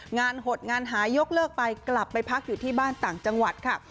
หดงานหายกเลิกไปกลับไปพักอยู่ที่บ้านต่างจังหวัดค่ะ